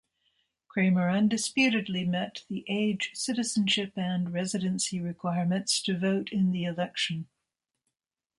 Kramer undisputedly met the age, citizenship, and residency requirements to vote in the election.